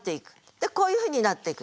でこういうふうになっていくの。